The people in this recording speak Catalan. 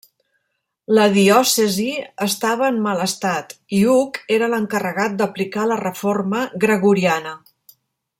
La diòcesi estava en mal estat i Hug era l'encarregat d'aplicar la reforma gregoriana.